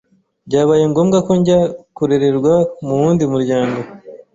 byabaye ngombwa ko njya kurererwa mu wundi muryango.